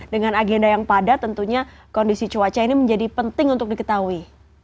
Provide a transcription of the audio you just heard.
dengan agenda yang padat tentunya kondisi cuaca ini menjadi penting untuk diketahui